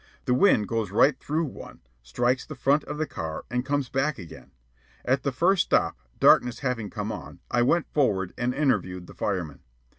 The wind goes right through one, strikes the front of the car, and comes back again. At the first stop, darkness having come on, I went forward and interviewed the fireman.